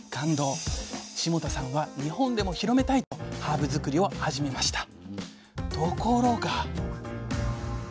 霜多さんは「日本でも広めたい！」とハーブ作りを始めました。